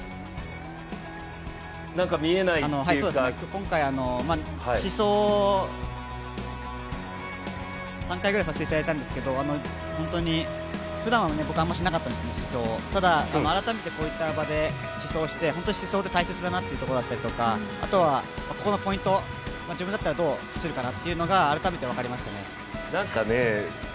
今回、試走を３回ぐらいさせていただいたんですけど本当に、ふだんは僕あんまりしなかったんですけどただ、改めてこういった場で試走をして本当に試走って大切だなっていうところとかここのポイント、自分だったらどう走るかなっていうのが改めて分かりましたね。